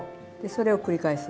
それを繰り返す。